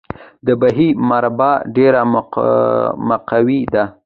د بهي مربا ډیره مقوي ده.